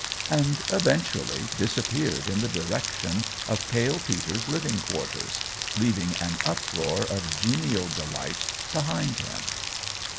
and eventually disappeared in the direction of Pale Peter's living quarters, leaving an uproar of genial delight behind him.